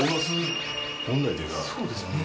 そうですね